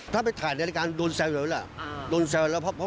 ถ้าไปถ่ายนาฬิการโดนแซวเลยล่ะ